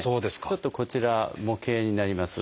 ちょっとこちら模型になります。